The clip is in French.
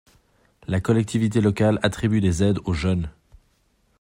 La collectivité locale attribue des aides aux jeunes.